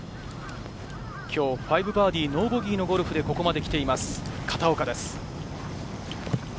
今日、５バーディー、ノーボギーのゴルフでここまで来ています、片岡です。